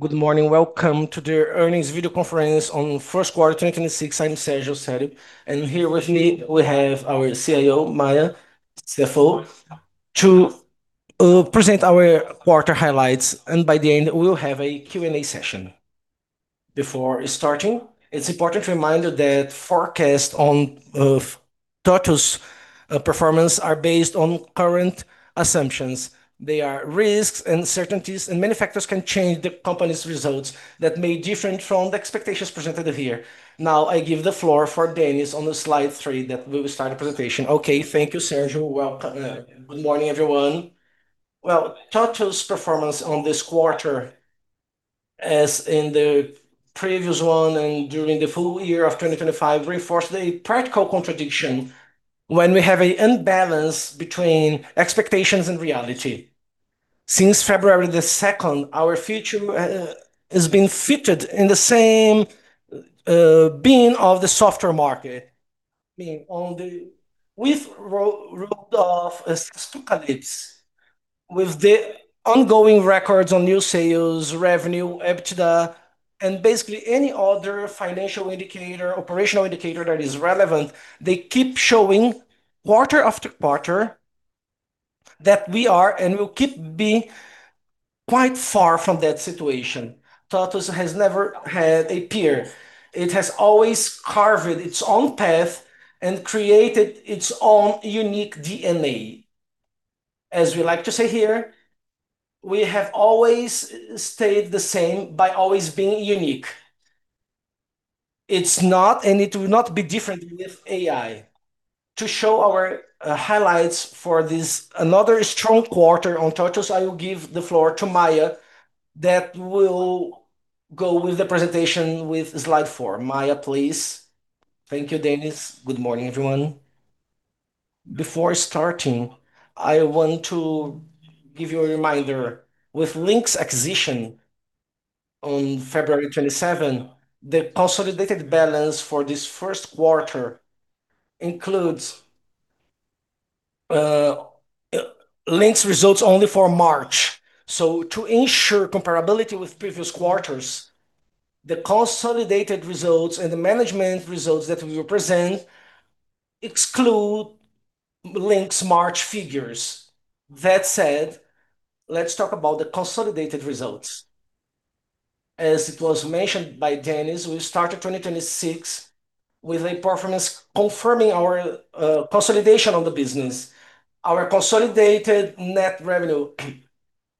Good morning. Welcome to the earnings video conference on first quarter 2026. I'm Sérgio Sério. Here with me we have our CIO, Maia, CFO, to present our quarter highlights, and by the end, we will have a Q&A session. Before starting, it's important to remind that forecast on TOTVS' performance are based on current assumptions. There are risks, uncertainties, and many factors can change the company's results that may differ from the expectations presented here. Now, I give the floor for Dennis on the slide three that will start the presentation. Okay. Thank you, Sérgio. Welcome. Good morning, everyone. Well, TOTVS' performance on this quarter, as in the previous one and during the full year of 2025, reinforced a practical contradiction when we have an imbalance between expectations and reality. Since February the 2nd, our future has been fitted in the same bin of the software market. I mean, with Rudolf Stockalitz, with the ongoing records on new sales, revenue, EBITDA, and basically any other financial indicator, operational indicator that is relevant, they keep showing quarter-after-quarter that we are and will keep being quite far from that situation. TOTVS has never had a peer. It has always carved its own path and created its own unique DNA. As we like to say here, we have always stayed the same by always being unique. It's not, and it will not be different with AI. To show our highlights for this, another strong quarter on TOTVS, I will give the floor to Maia that will go with the presentation with slide four. Maia, please. Thank you, Dennis. Good morning, everyone. Before starting, I want to give you a reminder. With Linx acquisition on February 27, the consolidated balance for this first quarter includes Linx results only for March. To ensure comparability with previous quarters, the consolidated results and the Management results that we will present exclude Linx March figures. That said, let's talk about the consolidated results. As it was mentioned by Dennis, we started 2026 with a performance confirming our consolidation of the business. Our consolidated net revenue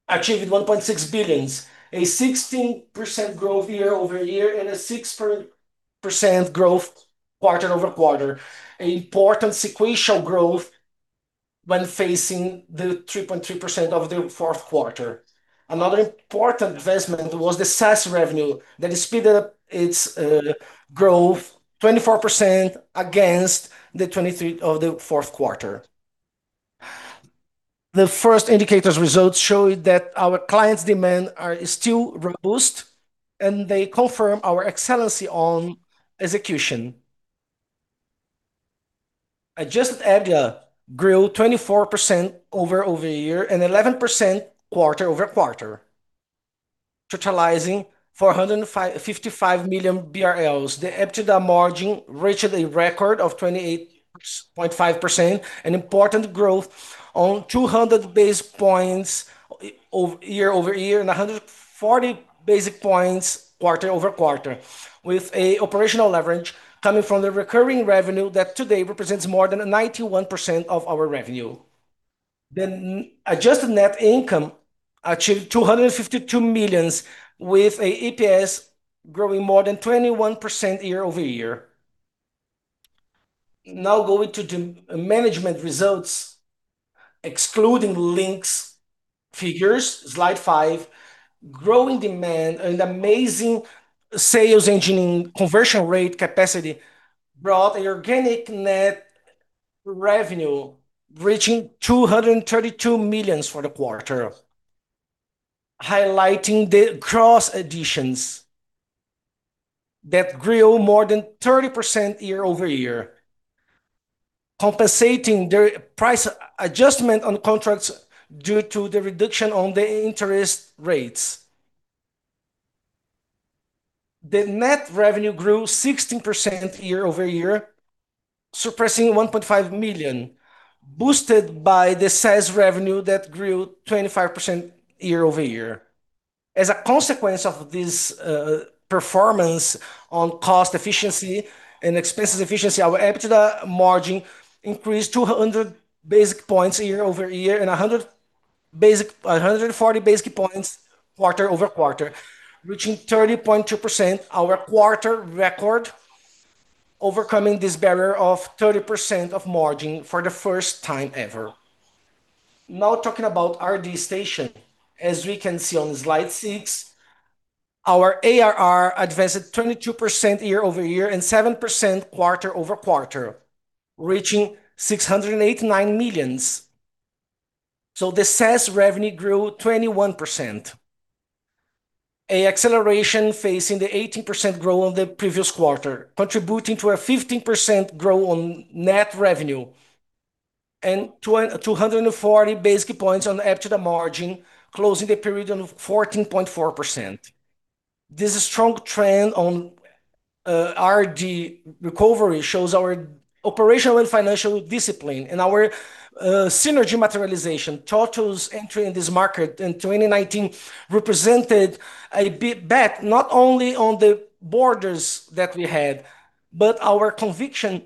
achieved 1.6 billion, a 16% growth year-over-year, and a 6% growth quarter-over-quarter, an important sequential growth when facing the 3.3% of the fourth quarter. Another important investment was the SaaS revenue that speed up its growth 24% against the 23% of the fourth quarter. The first indicators results show that our clients' demand are still robust, and they confirm our excellence on execution. Adjusted EBITDA grew 24% year-over-year and 11% quarter-over-quarter, totalizing 455 million BRL. The EBITDA margin reached a record of 28.5%, an important growth of 200 basis points year-over-year and 140 basis points quarter-over-quarter with operational leverage coming from the recurring revenue that today represents more than 91% of our revenue. The adjusted net income achieved 252 million with EPS growing more than 21% year-over-year. Going to the management results, excluding Linx figures, slide five, growing demand and amazing sales engineering conversion rate capacity brought a organic net revenue reaching 232 million for the quarter, highlighting the gross additions that grew more than 30% year-over-year, compensating the price adjustment on contracts due to the reduction on the interest rates. The net revenue grew 16% year-over-year, surpassing 1.5 million, boosted by the SaaS revenue that grew 25% year-over-year. As a consequence of this performance on cost efficiency and expenses efficiency, our EBITDA margin increased 200 basis points year-over-year and 140 basis points quarter-over-quarter, reaching 30.2%, our quarter record, overcoming this barrier of 30% of margin for the first time ever. Talking about RD Station. As we can see on slide six, our ARR advanced 22% year-over-year and 7% quarter-over-quarter, reaching 689 million. The SaaS revenue grew 21%, a acceleration facing the 18% growth on the previous quarter, contributing to a 15% growth on net revenue. 240 basic points on EBITDA margin closing the period on 14.4%. This strong trend on RD recovery shows our operational and financial discipline and our synergy materialization. TOTVS's entry in this market in 2019 represented a bet not only on the borders that we had, but our conviction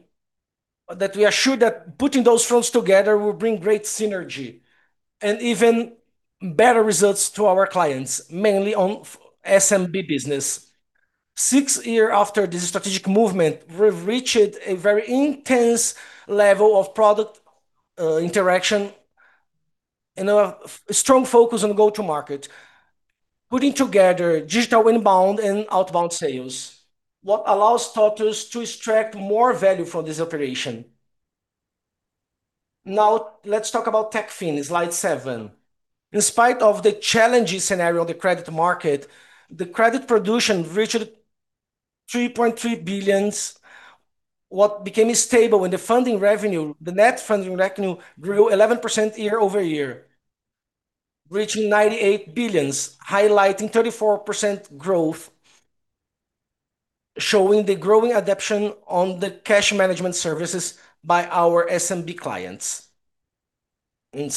that we are sure that putting those fronts together will bring great synergy and even better results to our clients, mainly on SMB business. Six year after this strategic movement, we've reached a very intense level of product interaction and a strong focus on go-to market, putting together digital inbound and outbound sales, what allows TOTVS to extract more value from this operation. Now let's talk about Techfin, slide seven. In spite of the challenging scenario of the credit market, the credit production reached 3.3 billion. What became stable in the funding revenue, the net funding revenue grew 11% year-over-year, reaching 98 billion, highlighting 34% growth, showing the growing adaptation on the cash management services by our SMB clients. In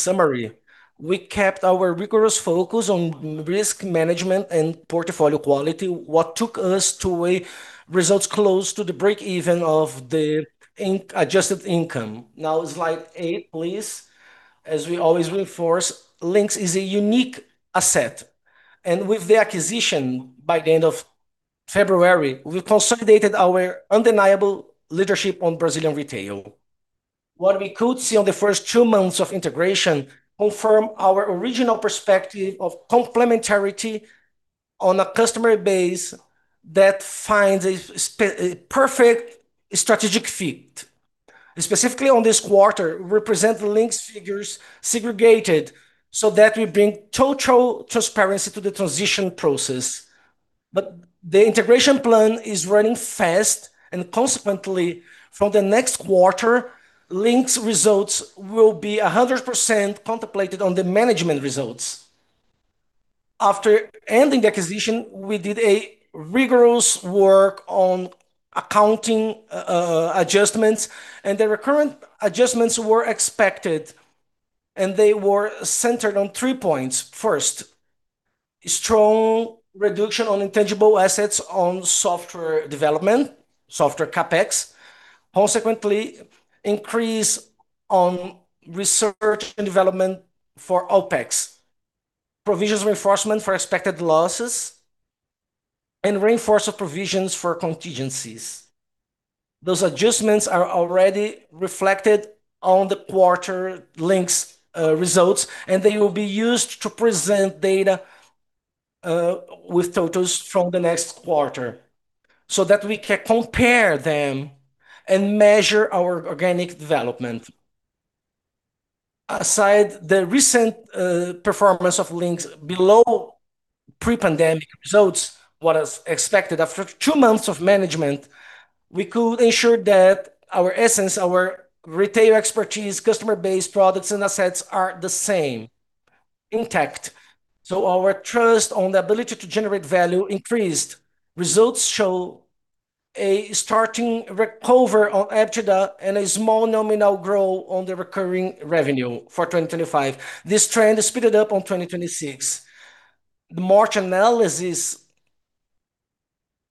summary, we kept our rigorous focus on risk management and portfolio quality. What took us to a results close to the break-even of the adjusted income. Now slide eight, please. As we always reinforce, Linx is a unique asset, and with the acquisition by the end of February, we consolidated our undeniable leadership on Brazilian retail. What we could see on the first two months of integration confirm our original perspective of complementarity on a customer base that finds a perfect strategic fit. Specifically on this quarter, we represent the Linx figures segregated so that we bring total transparency to the transition process. The integration plan is running fast, and consequently, from the next quarter, Linx results will be 100% contemplated on the management results. After ending the acquisition, we did a rigorous work on accounting adjustments, and the recurrent adjustments were expected, and they were centered on three points. Strong reduction on intangible assets on software development, software CapEx, consequently increase on research and development for OpEx, provisions reinforcement for expected losses, and reinforced provisions for contingencies. Those adjustments are already reflected on the quarter Linx results. They will be used to present data with TOTVS from the next quarter so that we can compare them and measure our organic development. Aside the recent performance of Linx below pre-pandemic results, what is expected after two months of management, we could ensure that our essence, our retail expertise, customer base products and assets are the same, intact. Our trust on the ability to generate value increased. Results show a starting recovery on EBITDA and a small nominal growth on the recurring revenue for 2025. This trend speeded up on 2026. The margin analysis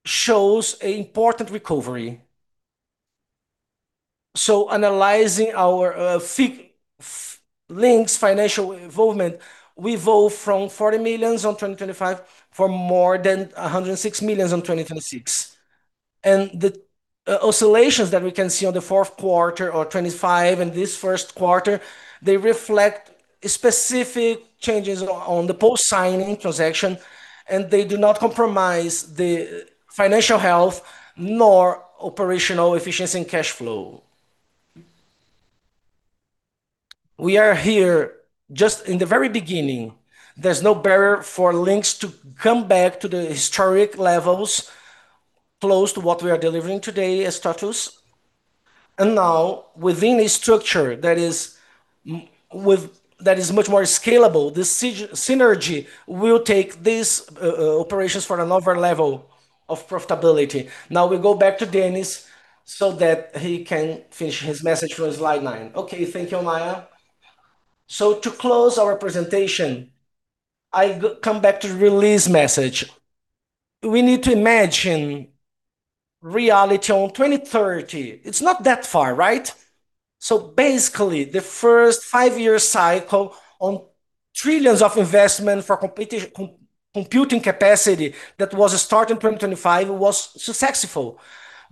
shows an important recovery. Analyzing our Linx financial involvement, we evolved from 40 million on 2025 for more than 106 million on 2026. The oscillations that we can see on the fourth quarter of 2025 and this first quarter, they reflect specific changes on the post-signing transaction, and they do not compromise the financial health nor operational efficiency and cash flow. We are here just in the very beginning. There's no barrier for Linx to come back to the historic levels close to what we are delivering today as TOTVS. Now within a structure that is much more scalable, the synergy will take these operations for another level of profitability. Now we go back to Dennis so that he can finish his message for slide 9. Okay. Thank you, Maia. To close our presentation, I come back to release message. We need to imagine reality on 2030. It's not that far, right? Basically, the first five-year cycle on trillions of investment for computing capacity that was start in 2025 was successful,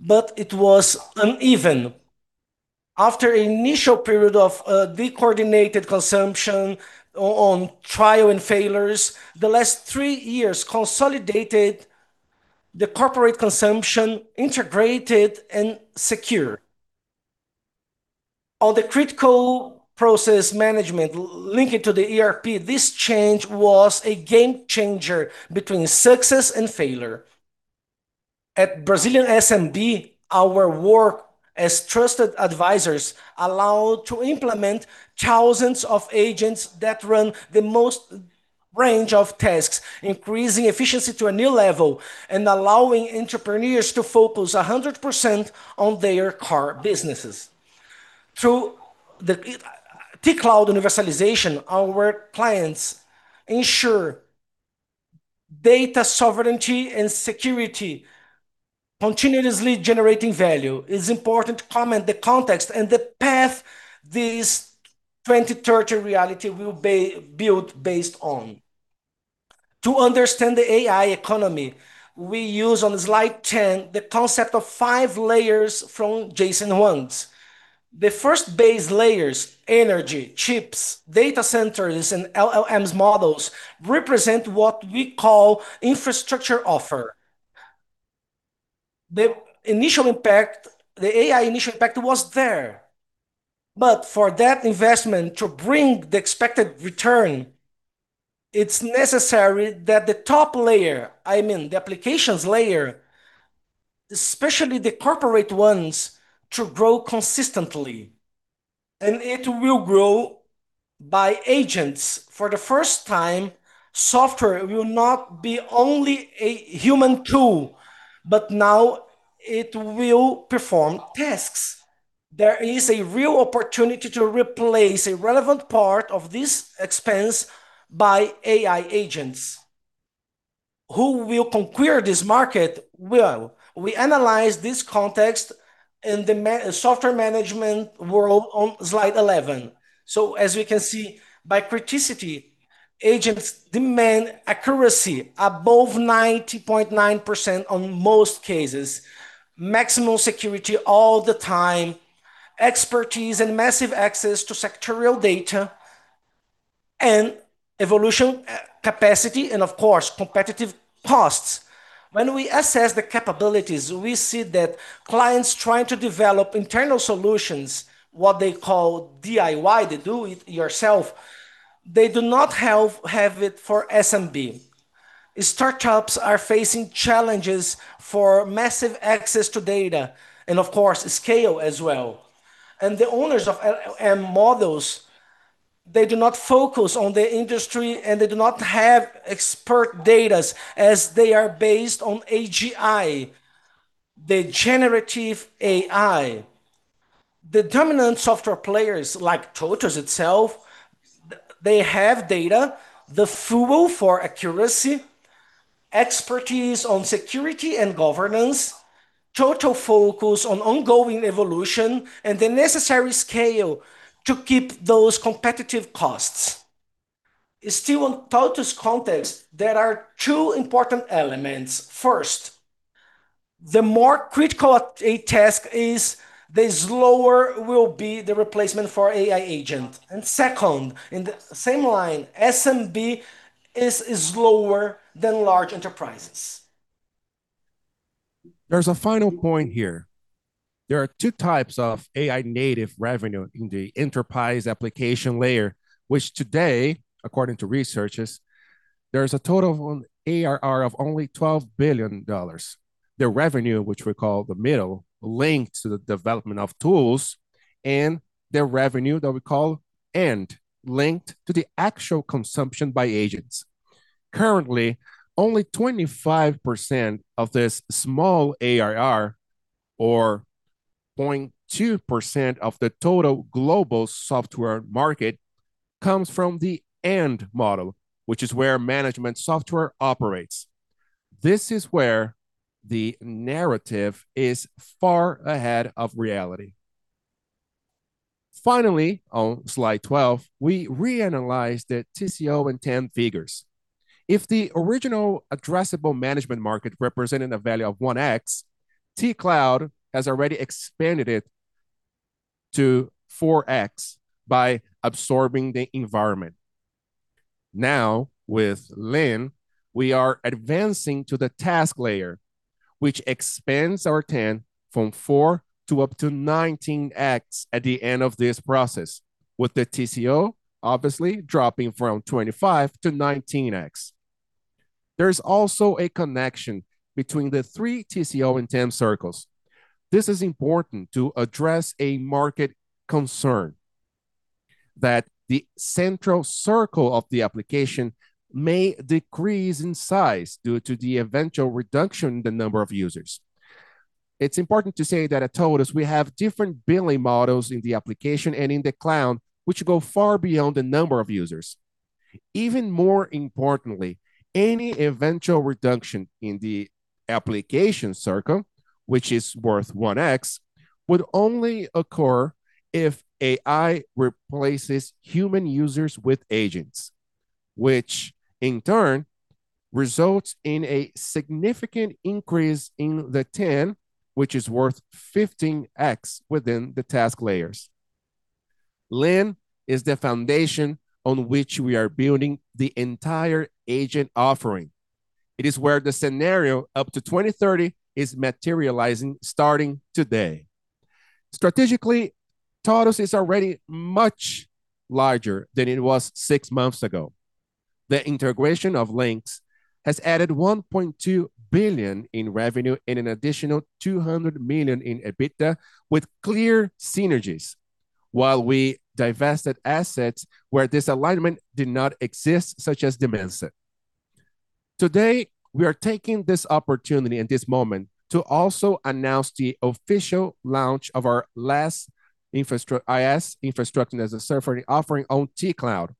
but it was uneven. After initial period of de-coordinated consumption on trial and failures, the last three years consolidated the corporate consumption integrated and secure. On the critical process management linking to the ERP, this change was a game changer between success and failure. At Brazilian SMB, our work as trusted advisors allow to implement thousands of agents that run the most range of tasks, increasing efficiency to a new level and allowing entrepreneurs to focus 100% on their core businesses. Through the T-Cloud universalization, our work plans ensure data sovereignty and security, continuously generating value. It's important to comment the context and the path this 2030 reality will be built based on. To understand the AI economy, we use on slide 10 the concept of five layers from Jason Huggins. The first base layers, energy, chips, data centers, and LLMs models represent what we call infrastructure offer. The initial impact, the AI initial impact was there, but for that investment to bring the expected return, it's necessary that the top layer, I mean the applications layer, especially the corporate ones, to grow consistently, and it will grow by agents. For the first time, software will not be only a human tool, but now it will perform tasks. There is a real opportunity to replace a relevant part of this expense by AI agents. Who will conquer this market? Well, we analyzed this context in the software management world on slide 11. As we can see, by criticality, agents demand accuracy above 90.9% on most cases, maximum security all the time, expertise and massive access to sectorial data and evolution capacity, and of course, competitive costs. When we assess the capabilities, we see that clients trying to develop internal solutions, what they call DIY, the do it yourself, they do not have it for SMB. Startups are facing challenges for massive access to data and, of course, scale as well. The owners of LLM models, they do not focus on the industry, and they do not have expert data as they are based on AGI, the generative AI. The dominant software players like TOTVS itself, they have data, the fuel for accuracy, expertise on security and governance, total focus on ongoing evolution, and the necessary scale to keep those competitive costs. Still on TOTVS context, there are two important elements. First, the more critical a task is, the slower will be the replacement for AI agent. Second, in the same line, SMB is slower than large enterprises. There's a final point here. There are two types of AI native revenue in the enterprise application layer, which today, according to researches, there's a total of an ARR of only $12 billion. The revenue, which we call the middle, linked to the development of tools, and the revenue, that we call end, linked to the actual consumption by agents. Currently, only 25% of this small ARR, or 0.2% of the total global software market, comes from the end model, which is where management software operates. This is where the narrative is far ahead of reality. On slide 12, we reanalyze the TCO and TAM figures. If the original addressable management market represented a value of 1x, T-Cloud has already expanded it to 4x by absorbing the environment. Now, with LYNN, we are advancing to the task layer, which expands our TAM from 4x to up to 19x at the end of this process, with the TCO obviously dropping from 25x to 19x. There's also a connection between the three TCO and TAM circles. This is important to address a market concern that the central circle of the application may decrease in size due to the eventual reduction in the number of users. It's important to say that at TOTVS, we have different billing models in the application and in the cloud, which go far beyond the number of users. Even more importantly, any eventual reduction in the application circle, which is worth 1x, would only occur if AI replaces human users with agents, which in turn results in a significant increase in the TAM, which is worth 15x within the task layers. LYNN is the foundation on which we are building the entire agent offering. It is where the scenario up to 2030 is materializing starting today. Strategically, TOTVS is already much larger than it was six months ago. The integration of Linx has added 1.2 billion in revenue and an additional 200 million in EBITDA with clear synergies. While we divested assets where this alignment did not exist, such as Dimensa. Today, we are taking this opportunity and this moment to also announce the official launch of our last IaaS, Infrastructure as a Service, offering on T-Cloud.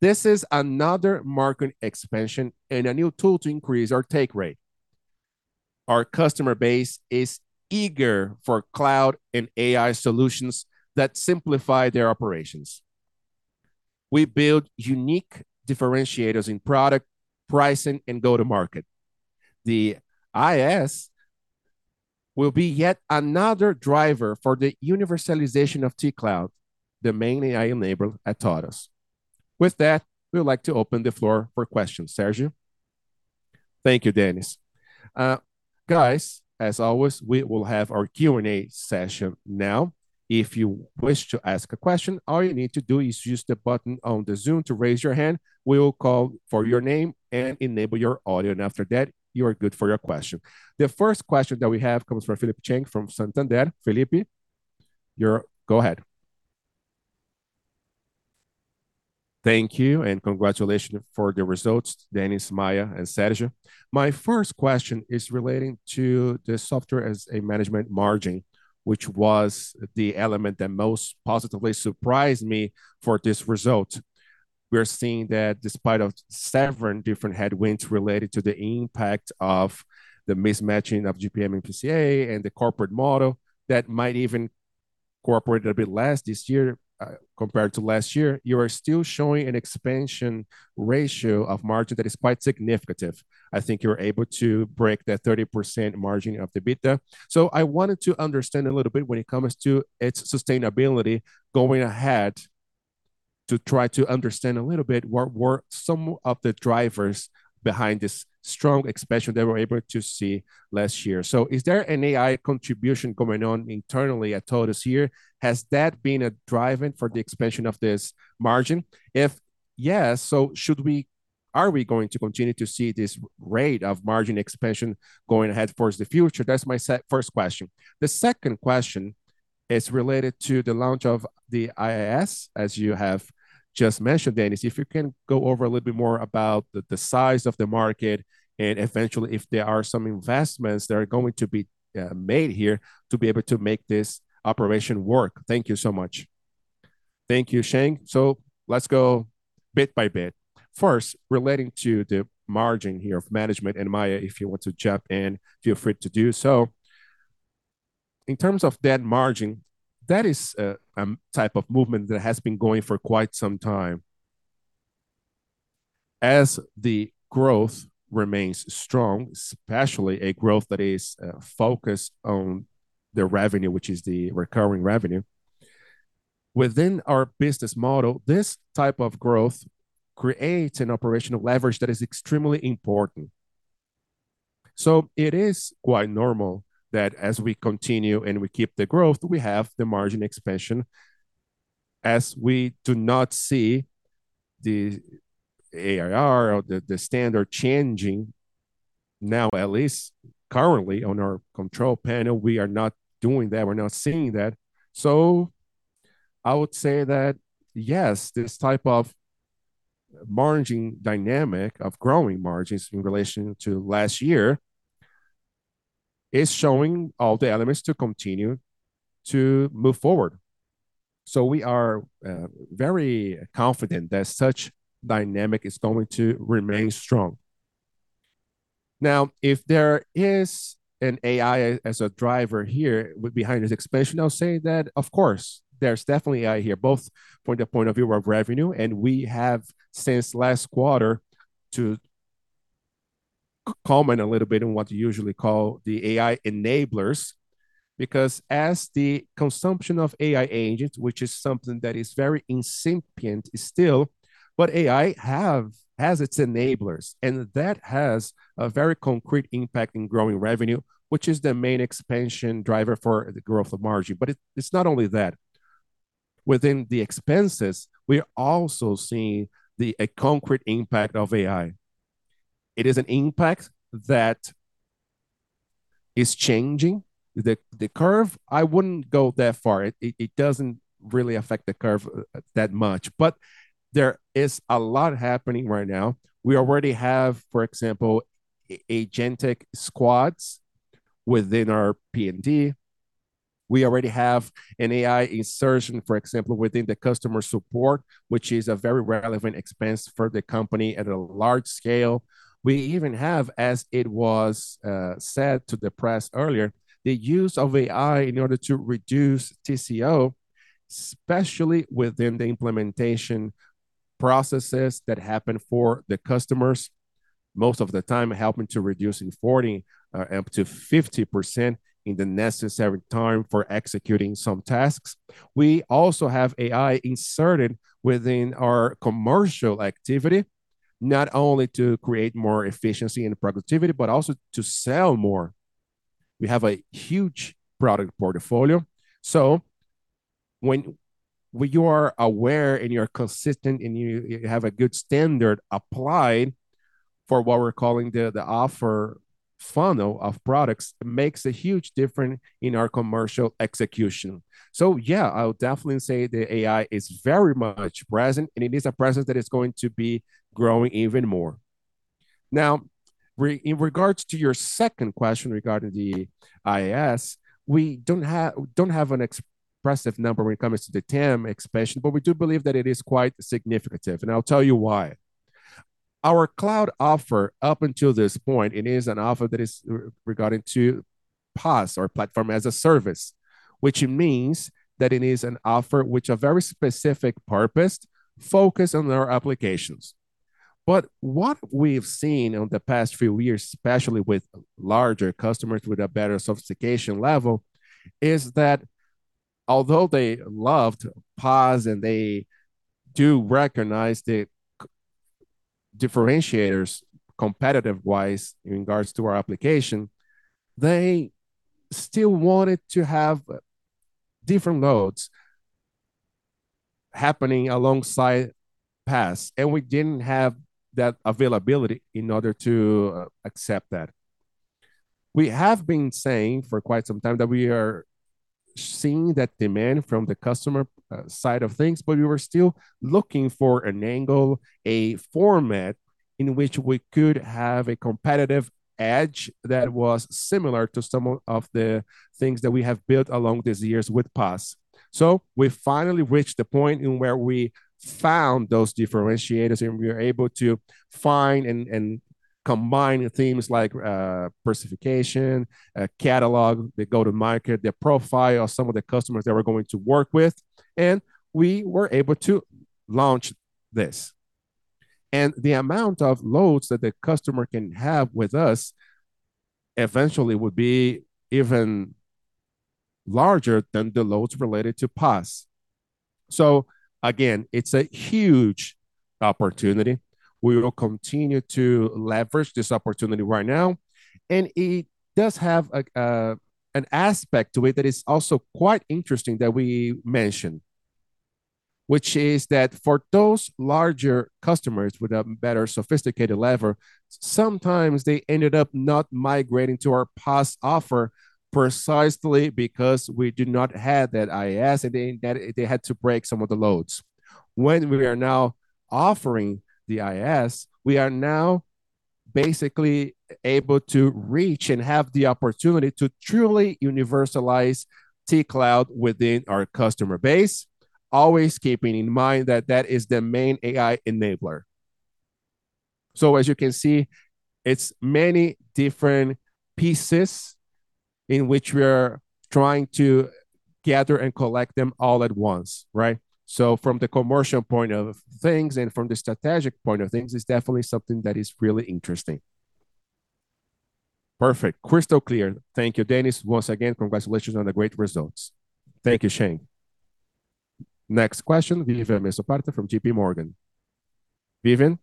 This is another market expansion and a new tool to increase our take rate. Our customer base is eager for cloud and AI solutions that simplify their operations. We build unique differentiators in product, pricing, and go to market. The IaaS will be yet another driver for the universalization of T-Cloud, the main AI label at TOTVS. With that, we would like to open the floor for questions. Sérgio? Thank you, Dennis. Guys, as always, we will have our Q&A session now. If you wish to ask a question, all you need to do is use the button on the Zoom to raise your hand. We will call for your name and enable your audio. After that, you are good for your question. The first question that we have comes from Felipe Cheng from Santander. Felipe, go ahead. Thank you. Congratulations for the results, Dennis, Maia, and Sérgio. My first question is relating to the software as a management margin, which was the element that most positively surprised me for this result. We are seeing that despite of several different headwinds related to the impact of the mismatching of IGP-M and IPCA and the corporate model that might even cooperate a bit less this year, compared to last year. You are still showing an expansion ratio of margin that is quite significant. I think you're able to break that 30% margin of the EBITDA. I wanted to understand a little bit when it comes to its sustainability going ahead to try to understand a little bit what were some of the drivers behind this strong expansion that we're able to see last year. Is there an AI contribution going on internally at TOTVS here? Has that been a driver for the expansion of this margin? If yes, are we going to continue to see this rate of margin expansion going ahead towards the future? That's my first question. The second question is related to the launch of the IaaS, as you have just mentioned, Dennis. If you can go over a little bit more about the size of the market and eventually if there are some investments that are going to be made here to be able to make this operation work. Thank you so much. Thank you, Cheng. Let's go bit by bit. First, relating to the margin here of Management, Maia, if you want to jump in, feel free to do so. In terms of that margin, that is a type of movement that has been going for quite some time. As the growth remains strong, especially a growth that is focused on the revenue, which is the recurring revenue, within our business model, this type of growth creates an operational leverage that is extremely important. It is quite normal that as we continue and we keep the growth, we have the margin expansion, as we do not see the ARR or the standard changing now, at least currently on our control panel, we are not doing that. We're not seeing that. I would say that yes, this type of margining dynamic of growing margins in relation to last year is showing all the elements to continue to move forward. We are very confident that such dynamic is going to remain strong. If there is an AI as a driver here behind this expansion, I'll say that, of course, there's definitely AI here, both from the point of view of revenue, and we have since last quarter to comment a little bit on what you usually call the AI enablers. As the consumption of AI agents, which is something that is very incipient still, AI has its enablers, and that has a very concrete impact in growing revenue, which is the main expansion driver for the growth of margin. It's not only that. Within the expenses, we are also seeing a concrete impact of AI. It is an impact that is changing the curve. I wouldn't go that far. It doesn't really affect the curve that much. There is a lot happening right now. We already have, for example, agentic squads within our P&D. We already have an AI insertion, for example, within the customer support, which is a very relevant expense for the company at a large scale. We even have, as it was said to the press earlier, the use of AI in order to reduce TCO, especially within the implementation processes that happen for the customers. Most of the time, helping to reduce in 40% up to 50% in the necessary time for executing some tasks. We also have AI inserted within our commercial activity. Not only to create more efficiency and productivity, but also to sell more. We have a huge product portfolio. When you are aware and you are consistent and you have a good standard applied for what we're calling the offer funnel of products, it makes a huge difference in our commercial execution. Yeah, I would definitely say the AI is very much present, and it is a presence that is going to be growing even more. Now, in regards to your second question regarding the IaaS, we don't have an expressive number when it comes to the TAM expansion, but we do believe that it is quite significative, and I'll tell you why. Our cloud offer up until this point, it is an offer that is regarding to PaaS or Platform as a Service, which means that it is an offer which a very specific purpose focus on our applications. What we've seen on the past few years, especially with larger customers with a better sophistication level, is that although they loved PaaS and they do recognize the differentiators competitive-wise in regards to our application, they still wanted to have different loads happening alongside PaaS, and we didn't have that availability in order to accept that. We have been saying for quite some time that we are seeing that demand from the customer side of things, but we were still looking for an angle, a format in which we could have a competitive edge that was similar to some of the things that we have built along these years with PaaS. We finally reached the point in where we found those differentiators and we are able to find and combine themes like personification, a catalog, the go-to-market, the profile of some of the customers that we're going to work with, and we were able to launch this. The amount of loads that the customer can have with us eventually would be even larger than the loads related to PaaS. Again, it's a huge opportunity. We will continue to leverage this opportunity right now, and it does have an aspect to it that is also quite interesting that we mention, which is that for those larger customers with a better sophisticated level, sometimes they ended up not migrating to our PaaS offer precisely because we do not have that IaaS and they had to break some of the loads. When we are now offering the IaaS, we are now basically able to reach and have the opportunity to truly universalize T-Cloud within our customer base, always keeping in mind that that is the main AI enabler. As you can see, it's many different pieces in which we are trying to gather and collect them all at once, right? From the commercial point of things and from the strategic point of things, it's definitely something that is really interesting. Perfect. Crystal clear. Thank you, Dennis. Once again, congratulations on the great results. Thank you, Cheng. Next question, [Livia Mesobarta] from JPMorgan. Livia?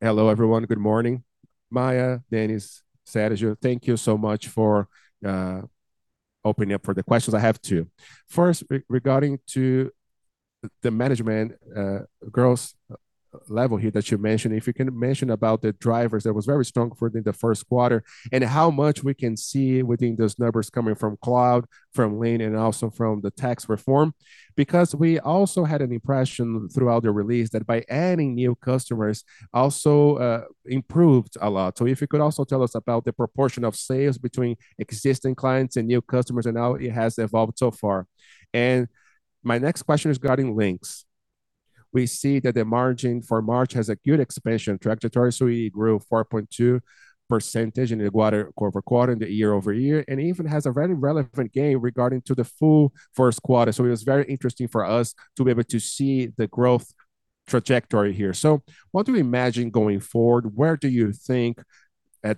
Hello, everyone. Good morning. Maia, Dennis, Sérgio, thank you so much for opening up for the questions. I have two. First, regarding to the management growth level here that you mentioned, if you can mention about the drivers that was very strong for the first quarter and how much we can see within those numbers coming from cloud, from Linx, and also from the tax reform. We also had an impression throughout the release that by adding new customers also improved a lot. If you could also tell us about the proportion of sales between existing clients and new customers and how it has evolved so far. My next question is regarding Linx. We see that the margin for March has a good expansion trajectory. It grew 4.2% in the quarter-over-quarter and the year-over-year, and even has a very relevant gain regarding the full first quarter. It was very interesting for us to be able to see the growth trajectory here. What do you imagine going forward? Where do you think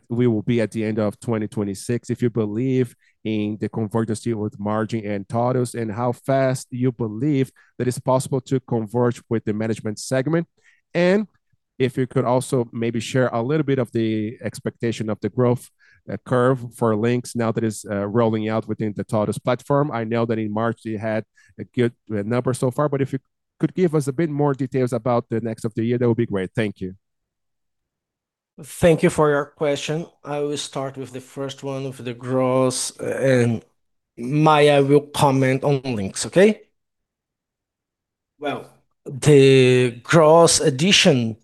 we will be at the end of 2026, if you believe in the convergence with margin and TOTVS, and how fast you believe that it's possible to converge with the management segment? If you could also maybe share a little bit of the expectation of the growth curve for Linx now that it's rolling out within the TOTVS platform. I know that in March you had a good number so far, but if you could give us a bit more details about the rest of the year, that would be great. Thank you. Thank you for your question. I will start with the 1st one of the gross, and Maia will comment on Linx, okay? Well, the gross addition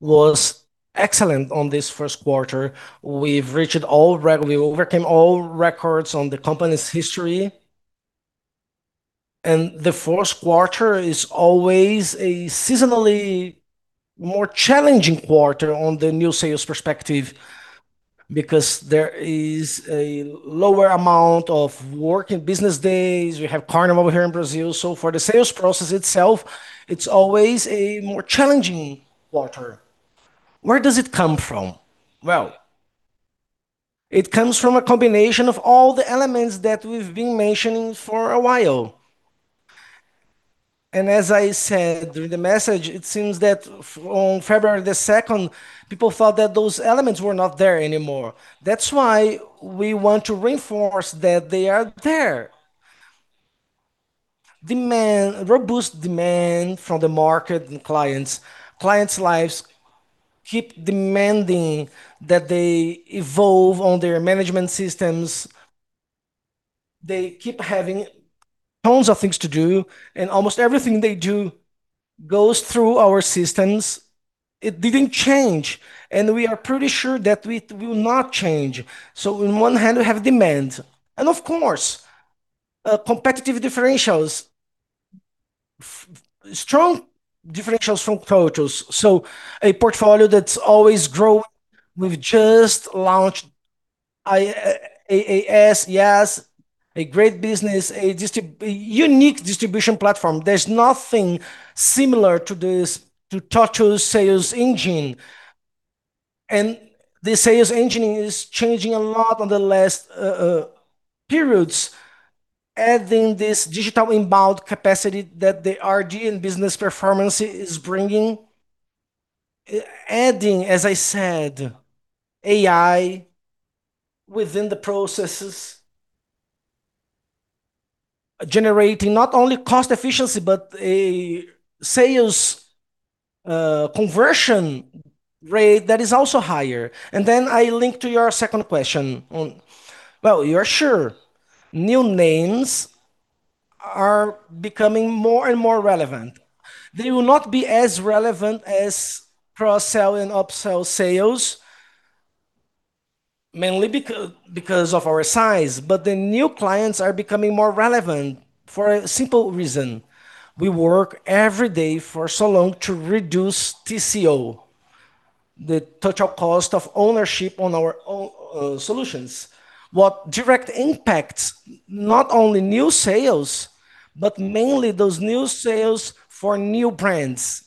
was excellent on this 1st quarter. We overcame all records on the company's history. The 1st quarter is always a seasonally more challenging quarter on the new sales perspective because there is a lower amount of work and business days. We have Carnival here in Brazil. For the sales process itself, it's always a more challenging quarter. Where does it come from? It comes from a combination of all the elements that we've been mentioning for a while. As I said during the message, it seems that on February 2nd, people thought that those elements were not there anymore. That's why we want to reinforce that they are there. Demand, robust demand from the market and clients. Clients' lives keep demanding that they evolve on their management systems. They keep having tons of things to do. Almost everything they do goes through our systems. It didn't change. We are pretty sure that it will not change. On one hand, we have demand. Of course, competitive differentials, strong differentials from TOTVS. A portfolio that's always growing. We've just launched IaaS, yes, a great business, a unique distribution platform. There's nothing similar to this, to TOTVS sales engine. The sales engine is changing a lot on the last periods, adding this digital inbound capacity that the RD and business performance is bringing. Adding, as I said, AI within the processes, generating not only cost efficiency, but a sales conversion rate that is also higher. I link to your second question. You're sure new names are becoming more and more relevant. They will not be as relevant as cross-sell and upsell sales, mainly because of our size. The new clients are becoming more relevant for a simple reason. We work every day for so long to reduce TCO, the total cost of ownership on our solutions. What direct impacts not only new sales, but mainly those new sales for new brands.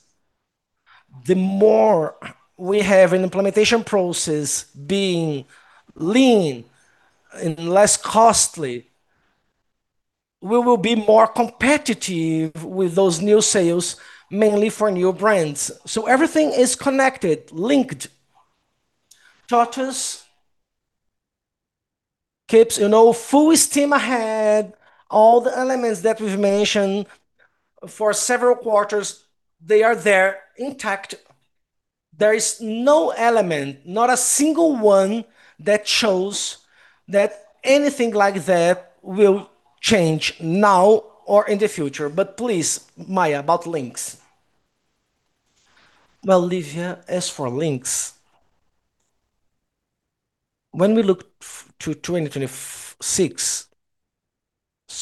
The more we have an implementation process being lean and less costly, we will be more competitive with those new sales, mainly for new brands. Everything is connected, linked. TOTVS keeps, you know, full steam ahead. All the elements that we've mentioned for several quarters, they are there intact. There is no element, not a single one, that shows that anything like that will change now or in the future. Please, Maia, about Linx. Well, Livia, as for Linx, when we look to 2026,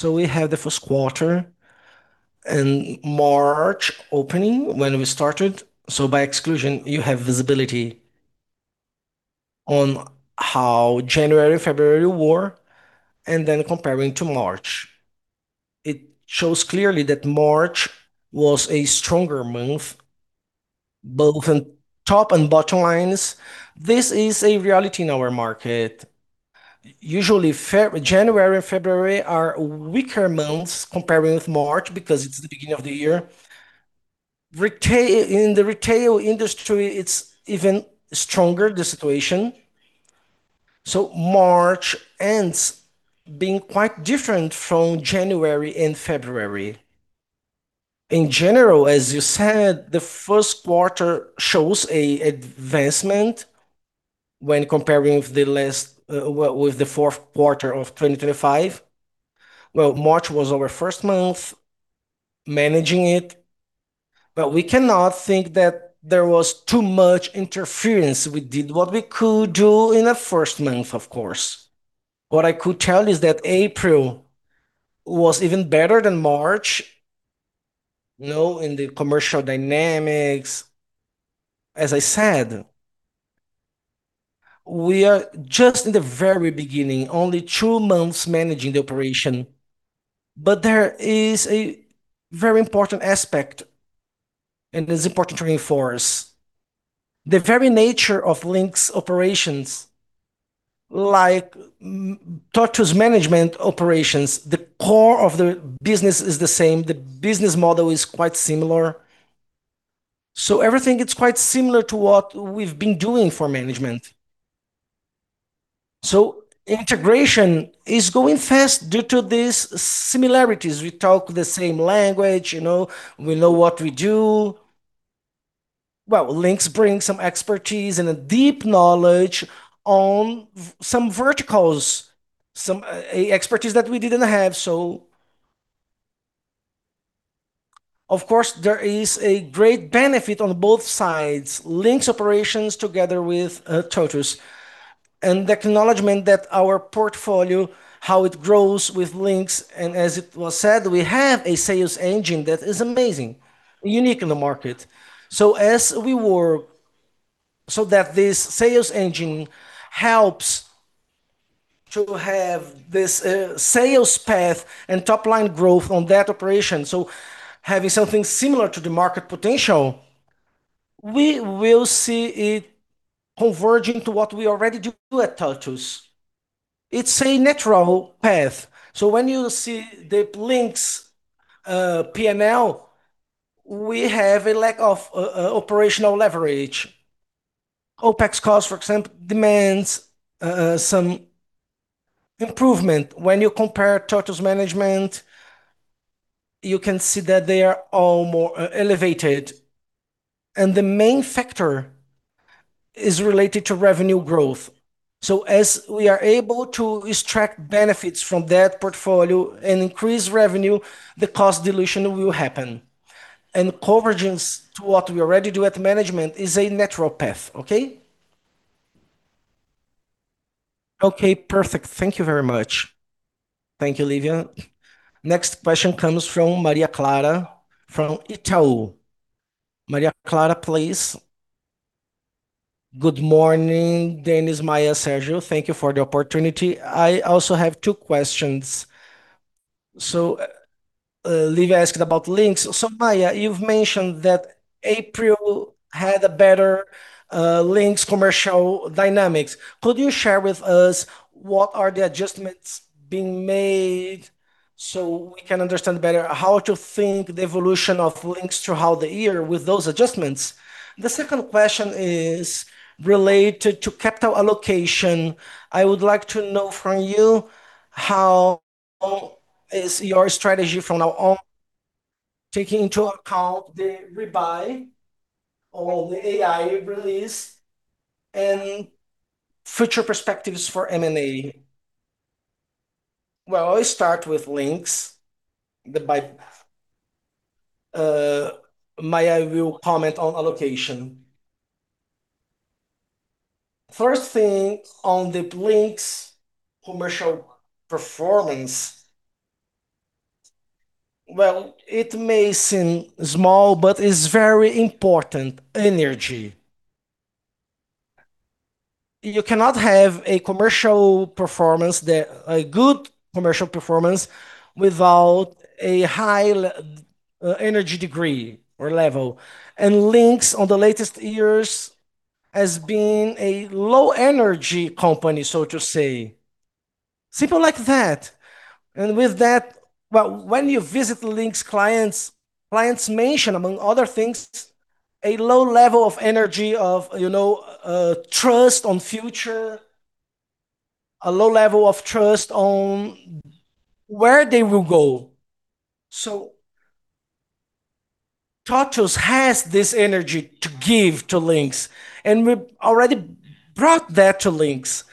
we have the first quarter and March opening when we started. By exclusion, you have visibility on how January, February were, comparing to March. It shows clearly that March was a stronger month, both on top and bottom lines. This is a reality in our market. Usually, January and February are weaker months comparing with March because it's the beginning of the year. In the retail industry, it's even stronger, the situation. March ends being quite different from January and February. In general, as you said, the first quarter shows a advancement when comparing with the last, with the fourth quarter of 2025. March was our first month managing it, we cannot think that there was too much interference. We did what we could do in a first month, of course. What I could tell is that April was even better than March, you know, in the commercial dynamics. As I said, we are just in the very beginning, only two months managing the operation. There is a very important aspect, and it's important to reinforce. The very nature of Linx operations, like TOTVS management operations, the core of the business is the same. The business model is quite similar. Everything is quite similar to what we've been doing for management. Integration is going fast due to these similarities. We talk the same language, you know. We know what we do. Well, Linx brings some expertise and a deep knowledge on some verticals, some expertise that we didn't have. Of course, there is a great benefit on both sides, Linx operations together with TOTVS. And the acknowledgment that our portfolio, how it grows with Linx, and as it was said, we have a sales engine that is amazing, unique in the market. As we work so that this sales engine helps to have this sales path and top-line growth on that operation, having something similar to the market potential, we will see it converging to what we already do at TOTVS. It's a natural path. When you see the Linx P&L, we have a lack of operational leverage. OpEx cost, for example, demands some improvement. When you compare TOTVS Management, you can see that they are all more elevated. The main factor is related to revenue growth. As we are able to extract benefits from that portfolio and increase revenue, the cost dilution will happen. Convergents to what we already do at Management is a natural path. Okay? Okay, perfect. Thank you very much. Thank you, Livia. Next question comes from Maria Clara from Itaú. Maria Clara, please. Good morning, Dennis, Maia, Sergio. Thank you for the opportunity. I also have two questions. Vivian asked about Linx. Maia, you've mentioned that April had a better Linx commercial dynamics. Could you share with us what are the adjustments being made so we can understand better how to think the evolution of Linx throughout the year with those adjustments? The second question is related to capital allocation. I would like to know from you how is your strategy from now on taking into account the rebuy or the AI release and future perspectives for M&A. Well, I'll start with Linx. Maia will comment on allocation. First thing on the Linx commercial performance, well, it may seem small, but it's very important. Energy. You cannot have a good commercial performance without a high energy degree or level. Linx on the latest years has been a low energy company, so to say. Simple like that. With that, well, when you visit Linx clients mention, among other things, a low level of energy of, you know, trust on future, a low level of trust on where they will go. TOTVS has this energy to give to Linx, and we already brought that to Linx.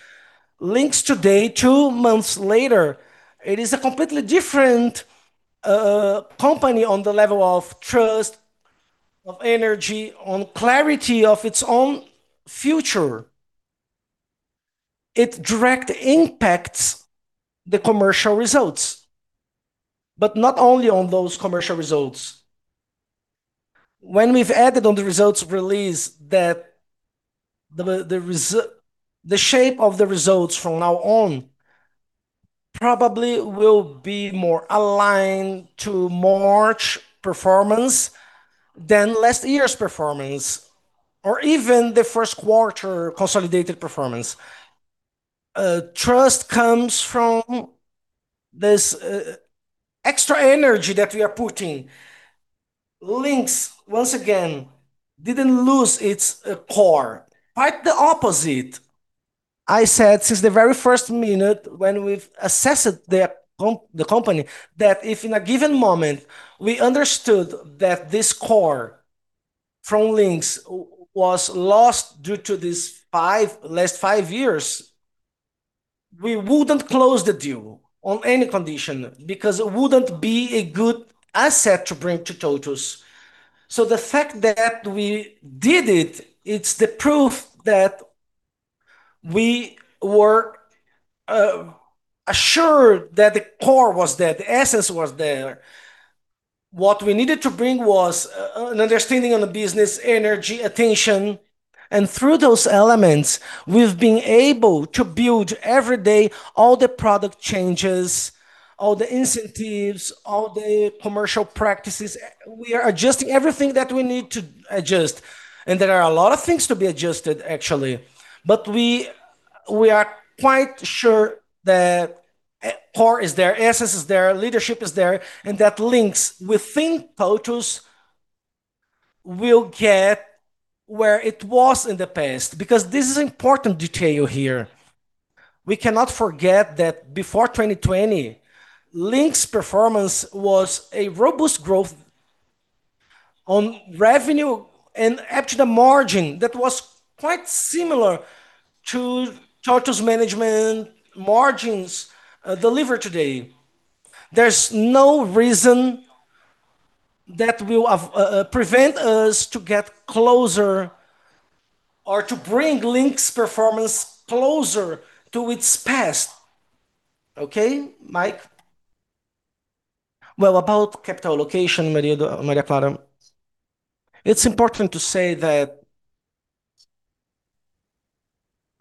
Linx today, two months later, it is a completely different company on the level of trust, of energy, on clarity of its own future. It direct impacts the commercial results. Not only on those commercial results. When we've added on the results release that the shape of the results from now on probably will be more aligned to March performance than last year's performance, or even the first quarter consolidated performance. Trust comes from this extra energy that we are putting. Linx, once again, didn't lose its core. Quite the opposite. I said since the very first minute when we've assessed the company, that if in a given moment we understood that this core from Linx was lost due to last five years, we wouldn't close the deal on any condition because it wouldn't be a good asset to bring to TOTVS. The fact that we did it's the proof that we were assured that the core was there, the essence was there. What we needed to bring was an understanding on the business, energy, attention. Through those elements, we've been able to build every day all the product changes, all the incentives, all the commercial practices. We are adjusting everything that we need to adjust. There are a lot of things to be adjusted, actually. We are quite sure that core is there, essence is there, leadership is there, and that Linx within TOTVS will get where it was in the past. This is important detail here. We cannot forget that before 2020, Linx performance was a robust growth on revenue and EBITDA margin that was quite similar to TOTVS Management margins delivered today. There's no reason that will prevent us to get closer or to bring Linx performance closer to its past. Okay. Maia? Well about capital allocation, Maria Clara, it's important to say that.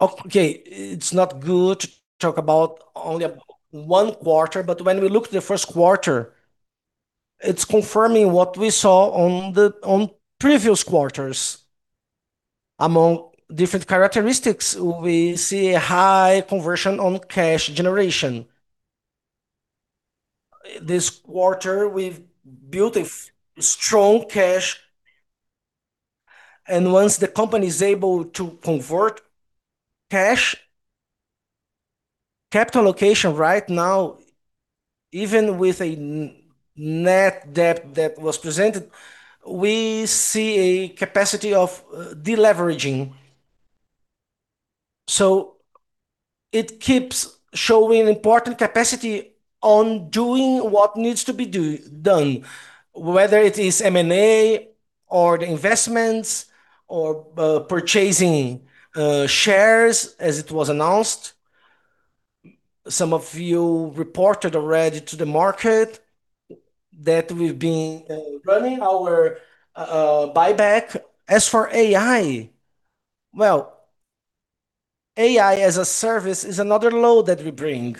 Okay. It's not good to talk about only one quarter, but when we look at the first quarter, it's confirming what we saw on previous quarters. Among different characteristics, we see a high conversion on cash generation. This quarter we've built a strong cash. Once the company is able to convert cash, capital location right now, even with a net debt that was presented, we see a capacity of deleveraging. It keeps showing important capacity on doing what needs to be done, whether it is M&A or the investments or purchasing shares, as it was announced. Some of you reported already to the market that we've been running our buyback. As for AI, well, AI as a service is another load that we bring.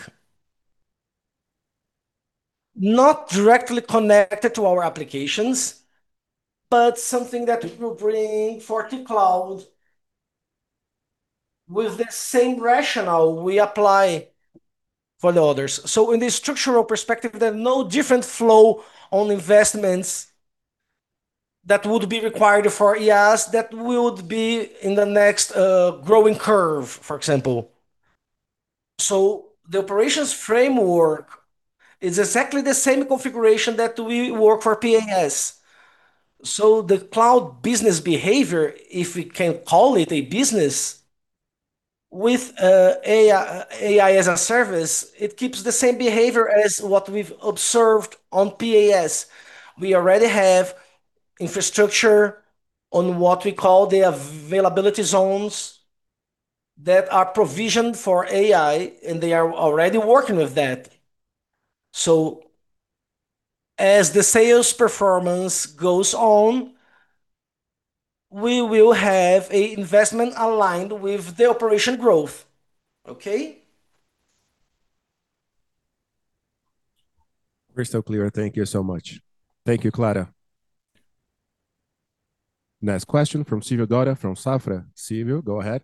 Not directly connected to our applications, but something that we bring for T-Cloud with the same rationale we apply for the others. In the structural perspective, there are no different flow on investments that would be required for IaaS that would be in the next growing curve, for example. The operations framework is exactly the same configuration that we work for PaaS. The cloud business behavior, if we can call it a business with AI as a service, it keeps the same behavior as what we've observed on PaaS. We already have infrastructure on what we call the availability zones that are provisioned for AI, and they are already working with that. As the sales performance goes on, we will have a investment aligned with the operation growth. Okay? Crystal clear. Thank you so much. Thank you, Clara. Next question from Silvio Dória from Safra. Silvio, go ahead.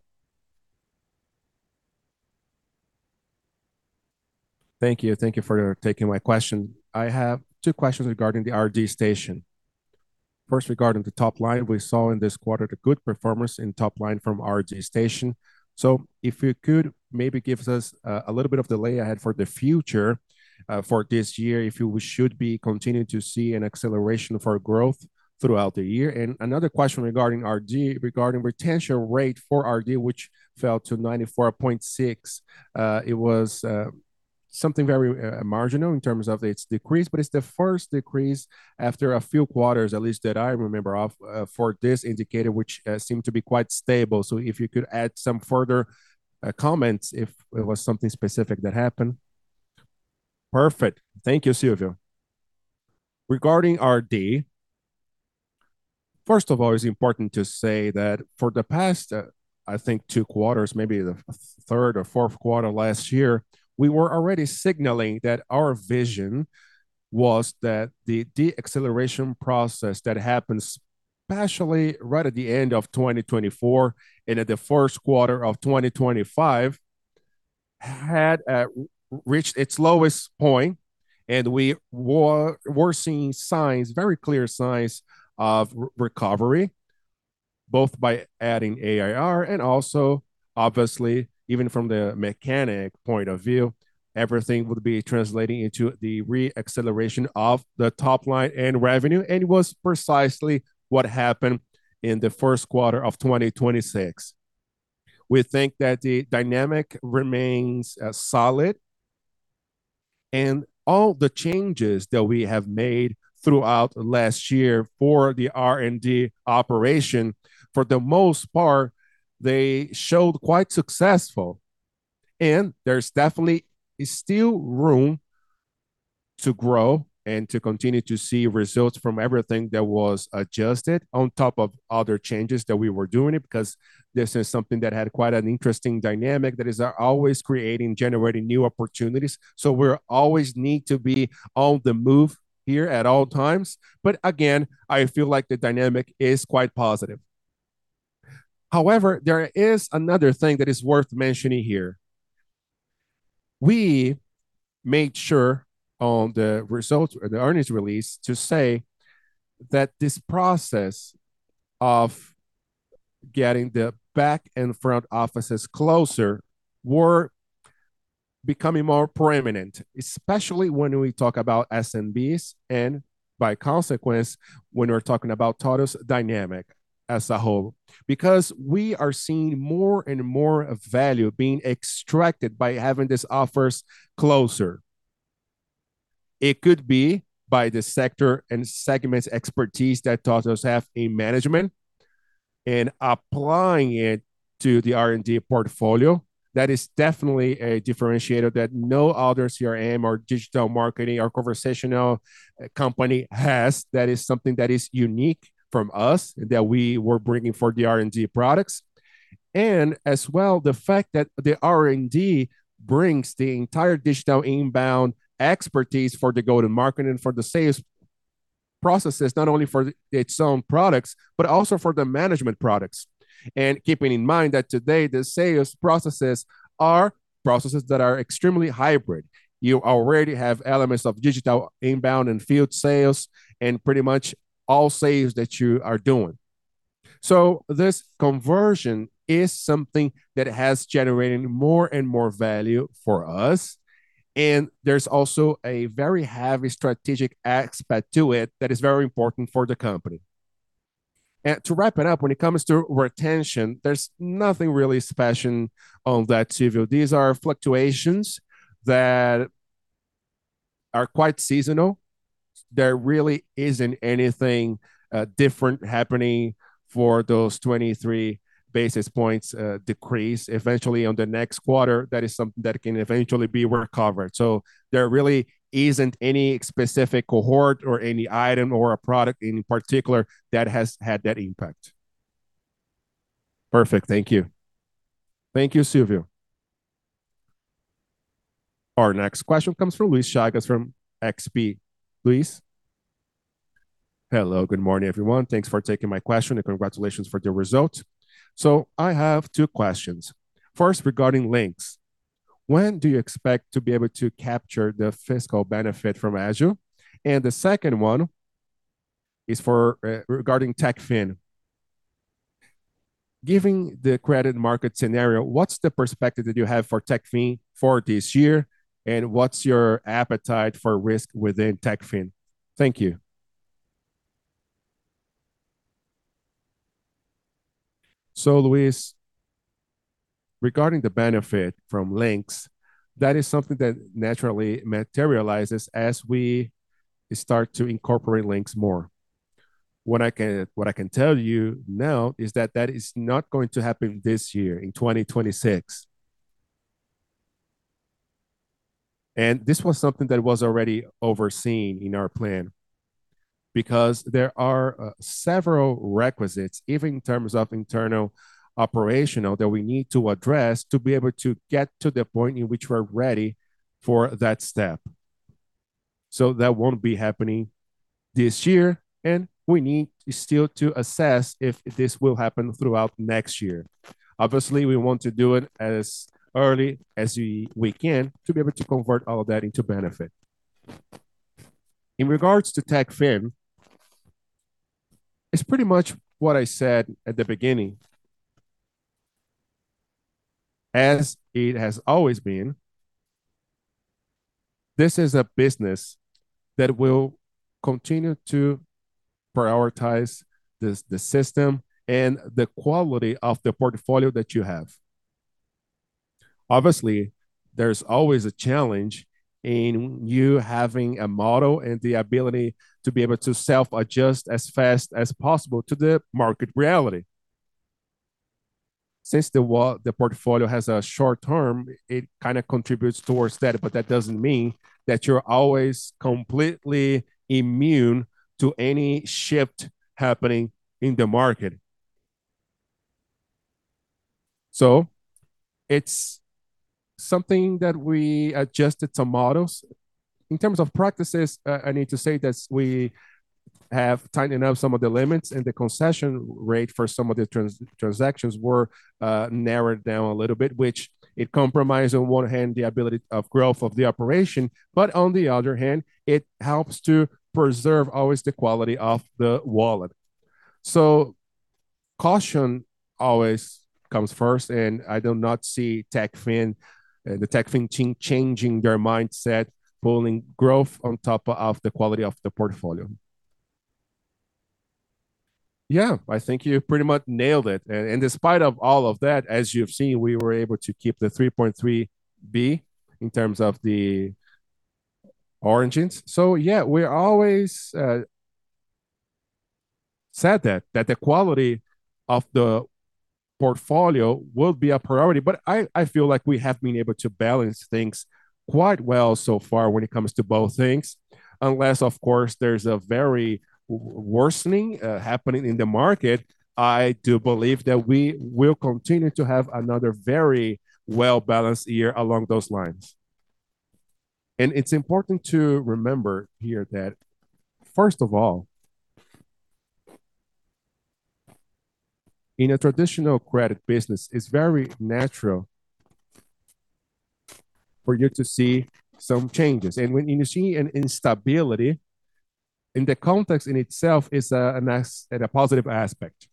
Thank you. Thank you for taking my question. I have two questions regarding the RD Station. First, regarding the top line, we saw in this quarter the good performance in top line from RD Station. If you could maybe give us a little bit of the layout for the future for this year, if you should be continuing to see an acceleration for growth throughout the year. Another question regarding RD, regarding retention rate for RD, which fell to 94.6. It was something very marginal in terms of its decrease, but it's the first decrease after a few quarters, at least that I remember off, for this indicator, which seemed to be quite stable. If you could add some further comments if it was something specific that happened. Perfect. Thank you, Silvio. Regarding R&D, first of all, it's important to say that for the past, I think two quarters, maybe the third or fourth quarter last year, we were already signaling that our vision was that the deceleration process that happens especially right at the end of 2024 and at the first quarter of 2025 had reached its lowest point, and we were seeing signs, very clear signs of recovery, both by adding AIR and also, obviously, even from the mechanic point of view, everything would be translating into the reacceleration of the top line and revenue, and it was precisely what happened in the first quarter of 2026. We think that the dynamic remains solid and all the changes that we have made throughout last year for the R&D operation, for the most part, they showed quite successful. There's definitely is still room to grow and to continue to see results from everything that was adjusted on top of other changes that we were doing it, because this is something that had quite an interesting dynamic that is always creating, generating new opportunities. We're always need to be on the move here at all times. Again, I feel like the dynamic is quite positive. However, there is another thing that is worth mentioning here. We made sure on the earnings release to say that this process of getting the back and front offices closer were becoming more preeminent, especially when we talk about SMBs and by consequence, when we're talking about TOTVS dynamic as a whole. We are seeing more and more value being extracted by having these offers closer. It could be by the sector and segments expertise that TOTVS have in management and applying it to the R&D portfolio. That is definitely a differentiator that no other CRM or digital marketing or conversational company has. That is something that is unique from us that we were bringing for the R&D products. As well, the fact that the R&D brings the entire digital inbound expertise for the go-to-market and for the sales processes, not only for its own products, but also for the management products. Keeping in mind that today the sales processes are processes that are extremely hybrid. You already have elements of digital inbound and field sales and pretty much all sales that you are doing. This conversion is something that has generated more and more value for us, and there's also a very heavy strategic aspect to it that is very important for the company. To wrap it up, when it comes to retention, there's nothing really special on that, Silvio. These are fluctuations that are quite seasonal. There really isn't anything different happening for those 23 basis points decrease. Eventually on the next quarter, that is something that can eventually be recovered. There really isn't any specific cohort or any item or a product in particular that has had that impact. Perfect. Thank you. Thank you, Silvio. Our next question comes from Luís Chagas from XP. Luís. Hello. Good morning, everyone. Thanks for taking my question, congratulations for the results. I have two questions. First, regarding Linx. When do you expect to be able to capture the fiscal benefit from Ágio? The second one is for, regarding Techfin. Given the credit market scenario, what's the perspective that you have for Techfin for this year, and what's your appetite for risk within Techfin? Thank you. Luis, regarding the benefit from Linx, that is something that naturally materializes as we start to incorporate Linx more. What I can tell you now is that that is not going to happen this year in 2026. This was something that was already overseen in our plan because there are several requisites, even in terms of internal operational, that we need to address to be able to get to the point in which we're ready for that step. That won't be happening this year, and we need still to assess if this will happen throughout next year. Obviously, we want to do it as early as we can to be able to convert all of that into benefit. In regards to Techfin, it's pretty much what I said at the beginning. As it has always been, this is a business that will continue to prioritize the system and the quality of the portfolio that you have. Obviously, there's always a challenge in you having a model and the ability to be able to self-adjust as fast as possible to the market reality. Since the portfolio has a short-term, it kind of contributes towards that doesn't mean that you're always completely immune to any shift happening in the market. It's something that we adjusted some models. In terms of practices, I need to say that we have tightened up some of the limits and the concession rate for some of the transactions were narrowed down a little bit, which it compromised on one hand the ability of growth of the operation, on the other hand, it helps to preserve always the quality of the wallet. Caution always comes first, I do not see Techfin, the Techfin team changing their mindset, pulling growth on top of the quality of the portfolio. Yeah, I think you pretty much nailed it. Despite of all of that, as you've seen, we were able to keep the 3.3 billion in terms of the origins. Yeah, we always said that the quality of the portfolio will be a priority. I feel like we have been able to balance things quite well so far when it comes to both things. Unless, of course, there's a very worsening happening in the market, I do believe that we will continue to have another very well-balanced year along those lines. It's important to remember here that first of all, in a traditional credit business, it's very natural for you to see some changes. When you see an instability in the context in itself is a and a positive aspect.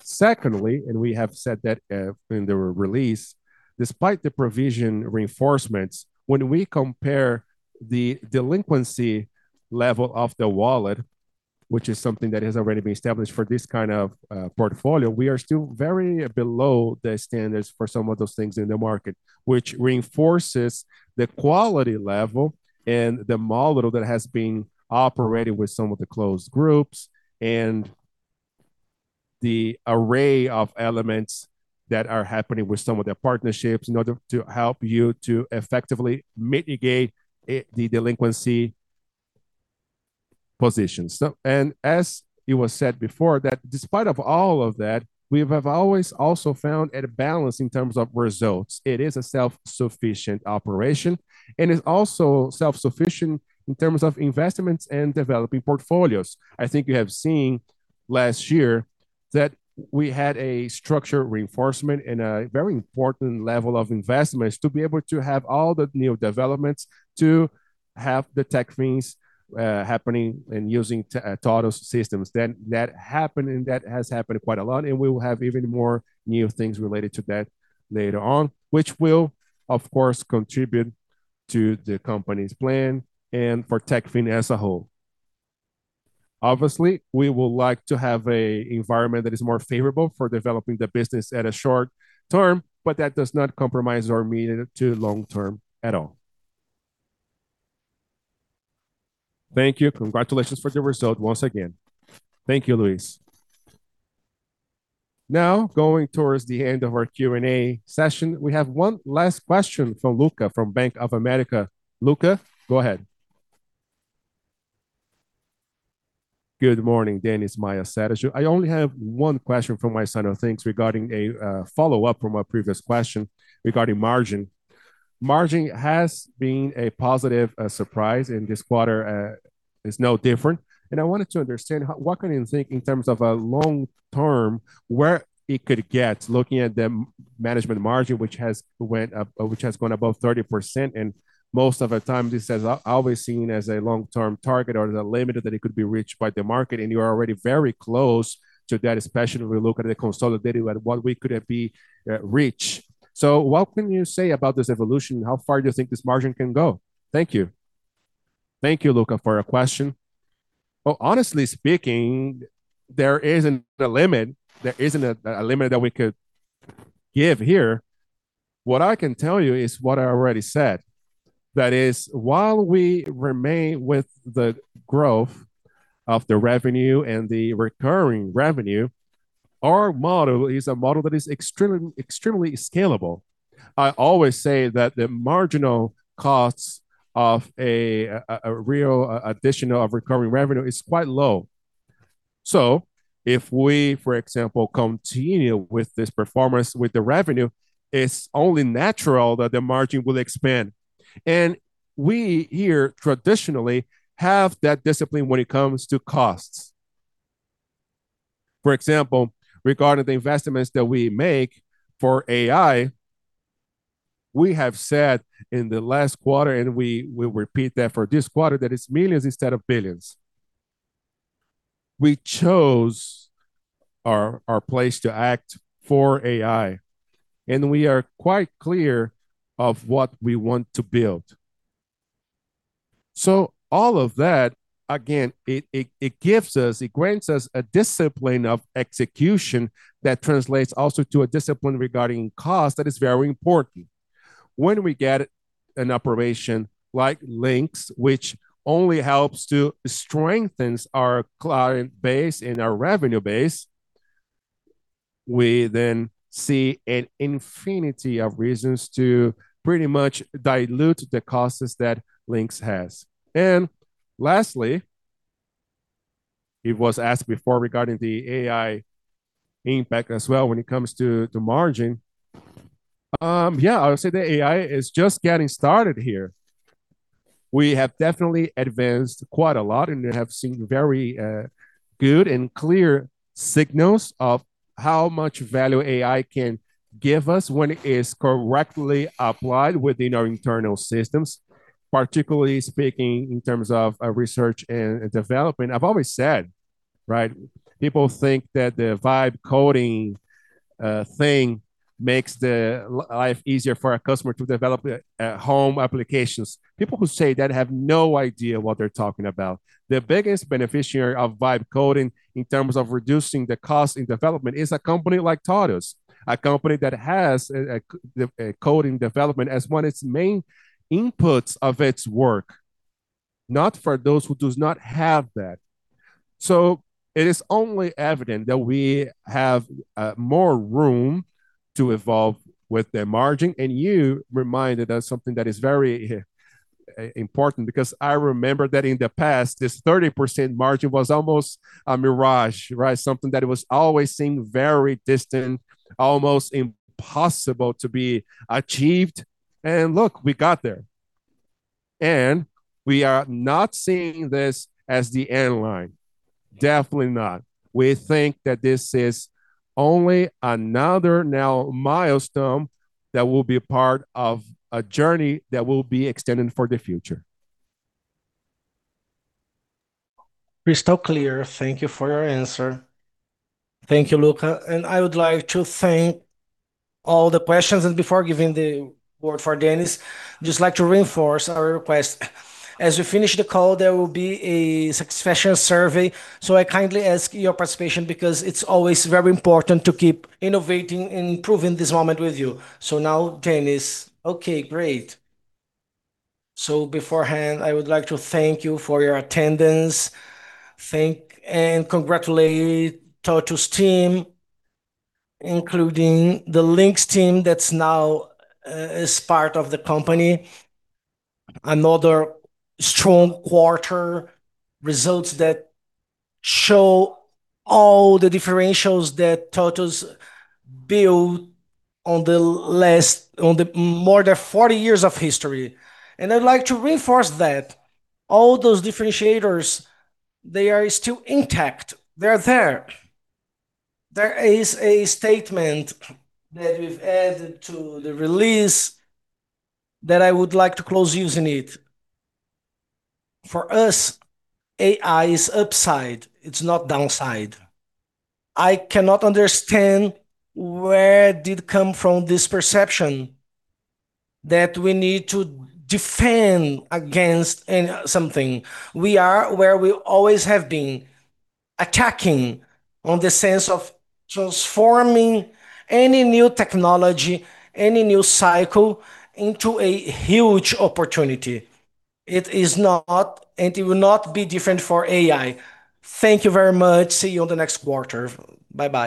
Secondly, we have said that in the release, despite the provision reinforcements, when we compare the delinquency level of the wallet, which is something that has already been established for this kind of portfolio, we are still very below the standards for some of those things in the market, which reinforces the quality level and the model that has been operating with some of the closed groups. The array of elements that are happening with some of the partnerships in order to help you to effectively mitigate the delinquency positions. As it was said before that despite of all of that, we have always also found a balance in terms of results. It is a self-sufficient operation, and it's also self-sufficient in terms of investments and developing portfolios. I think you have seen last year that we had a structure reinforcement and a very important level of investments to be able to have all the new developments, to have the Techfin happening and using TOTVS systems. That happened and that has happened quite a lot, and we will have even more new things related to that later on, which will of course contribute to the company's plan and for Techfin as a whole. Obviously, we would like to have an environment that is more favorable for developing the business at a short-term, but that does not compromise our medium to long-term at all. Thank you. Congratulations for the result once again. Thank you, Luis. Now, going towards the end of our Q&A session, we have one last question from Luca from Bank of America. Luca, go ahead. Good morning, Dennis, Maia, Sergio. I only have one question from my side of things regarding a follow-up from a previous question regarding margin. Margin has been a positive surprise, and this quarter is no different. I wanted to understand what can you think in terms of a long term, where it could get looking at the Management BU margin which has went up which has gone above 30%. Most of the time this is always seen as a long-term target or the limit that it could be reached by the market, and you are already very close to that, especially if you look at the consolidated at what we could have be reach. What can you say about this evolution? How far do you think this margin can go? Thank you. Thank you, Luca, for your question. Well, honestly speaking, there isn't a limit. There isn't a limit that we could give here. What I can tell you is what I already said. That is, while we remain with the growth of the revenue and the recurring revenue, our model is a model that is extremely scalable. I always say that the marginal costs of a BRL additional of recurring revenue is quite low. If we, for example, continue with this performance with the revenue, it's only natural that the margin will expand. We here traditionally have that discipline when it comes to costs. For example, regarding the investments that we make for AI, we have said in the last quarter, and we will repeat that for this quarter, that it's millions instead of billions. We chose our place to act for AI, and we are quite clear of what we want to build. All of that, again, it gives us, it grants us a discipline of execution that translates also to a discipline regarding cost that is very important. When we get an operation like Linx, which only helps to strengthens our client base and our revenue base, we then see an infinity of reasons to pretty much dilute the costs that Linx has. Lastly, it was asked before regarding the AI impact as well when it comes to margin. Yeah, I would say the AI is just getting started here. We have definitely advanced quite a lot, and we have seen very, good and clear signals of how much value AI can give us when it is correctly applied within our internal systems, particularly speaking in terms of, research and development. I've always said, right? People think that the Vibe coding, thing makes life easier for a customer to develop, home applications. People who say that have no idea what they're talking about. The biggest beneficiary of Vibe coding in terms of reducing the cost in development is a company like TOTVS, a company that has a coding development as one its main inputs of its work, not for those who does not have that. It is only evident that we have, more room to evolve with the margin. You reminded us something that is very important because I remember that in the past, this 30% margin was almost a mirage, right? Something that it was always seemed very distant, almost impossible to be achieved. Look, we got there. We are not seeing this as the end line. Definitely not. We think that this is only another now milestone that will be a part of a journey that will be extended for the future. Crystal clear. Thank you for your answer. Thank you, Luca. I would like to thank all the questions. Before giving the word for Dennis, just like to reinforce our request. As we finish the call, there will be a suggestion survey, so I kindly ask your participation because it's always very important to keep innovating and improving this moment with you. Now Dennis. Great. Beforehand, I would like to thank you for your attendance. Thank and congratulate TOTVS team, including the Linx team that's now part of the company. Another strong quarter results that show all the differentials that TOTVS built on the more than 40 years of history. I'd like to reinforce that all those differentiators, they are still intact. They're there. There is a statement that we've added to the release that I would like to close using it. For us, AI is upside, it's not downside. I cannot understand where did come from this perception that we need to defend against something. We are where we always have been, attacking on the sense of transforming any new technology, any new cycle into a huge opportunity. It is not and it will not be different for AI. Thank you very much. See you on the next quarter. Bye-bye.